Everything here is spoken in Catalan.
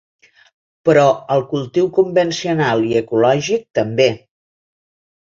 Però el cultiu convencional i ecològic també!